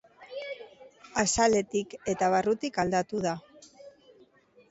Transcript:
Azaletik eta barrutik aldatu da.